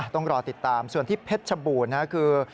ต้องรอติดตามส่วนที่เพชรชบูรณ์คือ